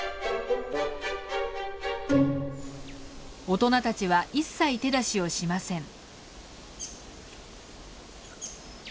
大人たちは一切手出しをしません。